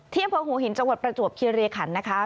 เที่ยงโพงหูหินจังหวัดประจวบเครียร์เรศรนะคะ